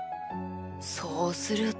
そうすると。